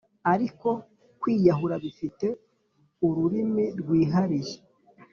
ariko kwiyahura bifite ururimi rwihariye.